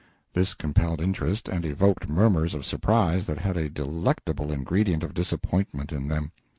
[This compelled interest, and evoked murmurs of surprise that had a detectable ingredient of disappointment in them.